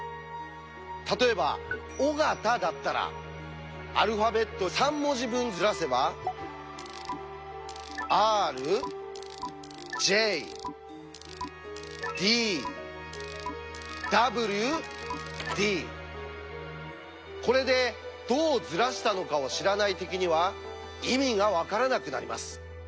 例えば「ＯＧＡＴＡ」だったらアルファベット３文字分ずらせばこれでどうずらしたのかを知らない敵には意味がわからなくなります。